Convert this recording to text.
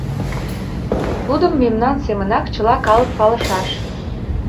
Тудым мемнан семынак чыла калык палышаш!